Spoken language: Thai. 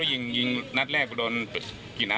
ล้มไปจอกอะช้าใช่ชะ